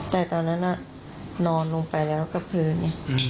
แต่ตอนนั้นนอนลงไปแล้วกับพื้น